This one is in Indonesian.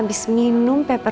tidak ada apa apa